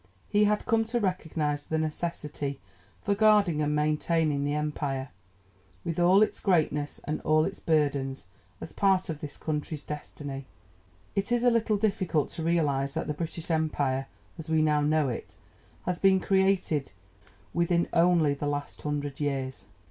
He had come to recognize the necessity for guarding and maintaining the Empire, with all its greatness and all its burdens, as part of this country's destiny. It is a little difficult to realize that the British Empire, as we now know it, has been created within only the last hundred years.